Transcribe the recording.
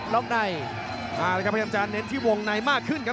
และกำลังจะเน้นที่วงในมากขึ้นครับ